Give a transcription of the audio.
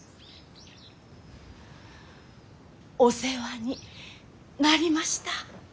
お世話になりました。